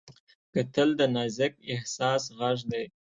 کتل د نازک احساس غږ دی